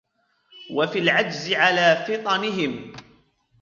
وَفِي الْعَجْزِ عَلَى فِطَنِهِمْ